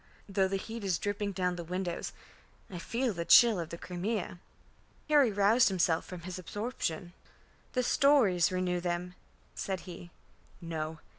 "Though the heat is dripping down the windows, I feel the chill of the Crimea." Harry roused himself from his absorption. "The stories renew them," said he. "No.